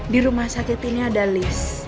di rumah sakit ini ada list